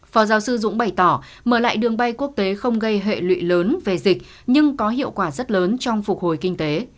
phó giáo sư dũng bày tỏ mở lại đường bay quốc tế không gây hệ lụy lớn về dịch nhưng có hiệu quả rất lớn trong phục hồi kinh tế